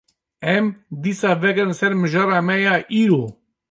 Em, dîsa vegerin ser mijara me ya îro